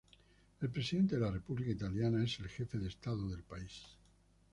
El presidente de la República italiana es el jefe de estado del país.